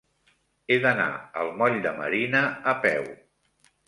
He d'anar al moll de Marina a peu.